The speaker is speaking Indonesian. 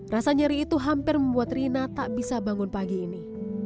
rasa nyeri itu hampir membuat rina tak bisa bangun pagi ini